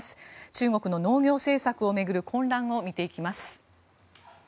中国の農業政策を巡る混乱を見ていきます。